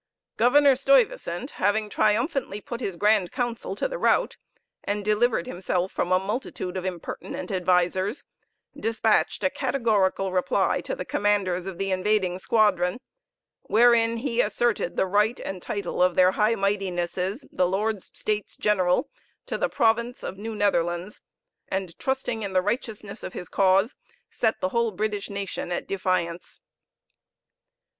Governor Stuyvesant having triumphantly put his grand council to the rout, and delivered himself from a multitude of impertinent advisers, despatched a categorical reply to the commanders of the invading squadron, wherein he asserted the right and title of their High Mightinesses the Lords States General to the province of New Netherlands, and trusting in the righteousness of his cause, set the whole British nation at defiance!